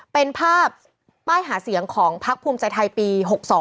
เป็นภาพป้ายหาเสียงของพักภูมิใจไทยปี๖๒